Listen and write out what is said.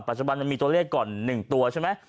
จันมันมีตัวเลขก่อน๑ตัวใช่ไหม